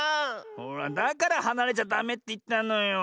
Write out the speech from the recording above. ほらだからはなれちゃダメっていったのよ。